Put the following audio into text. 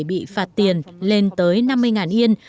bị phạt tiền lên tới năm mươi yen